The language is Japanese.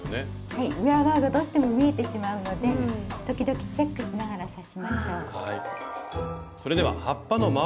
はい裏側がどうしても見えてしまうので時々チェックしながら刺しましょう。